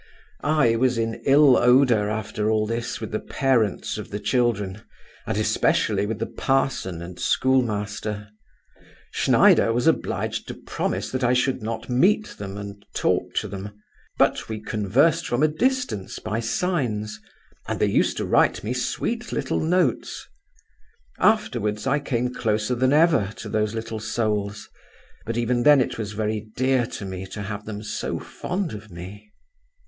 I was in ill odour after all this with the parents of the children, and especially with the parson and schoolmaster. Schneider was obliged to promise that I should not meet them and talk to them; but we conversed from a distance by signs, and they used to write me sweet little notes. Afterwards I came closer than ever to those little souls, but even then it was very dear to me, to have them so fond of me.